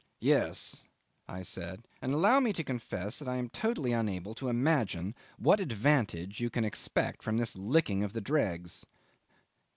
"Yes," I said; "and allow me to confess that I am totally unable to imagine what advantage you can expect from this licking of the dregs."